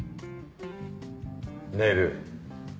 寝る。